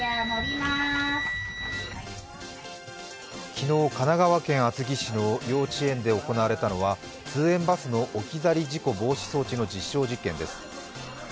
昨日、神奈川県厚木市の幼稚園で行われたのは、通園バスの置き去り事故防止装置の実証実験です。